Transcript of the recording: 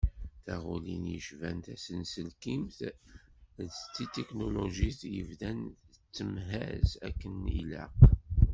Taɣulin yecban tasenselkimt d tetiknulujit i yebdan tettemhaz akken ilaq.